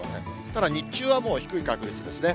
ただ日中はもう低い確率ですね。